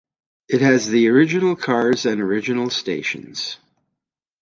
It has the original cars and the original stations.